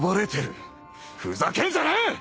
ふざけんじゃねえ！